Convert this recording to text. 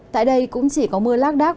tại đây cũng chỉ có mưa lác đác